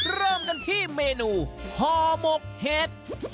เริ่มกันที่เมนูห่อหมกเห็ด